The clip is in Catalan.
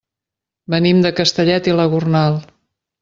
Venim de Castellet i la Gornal.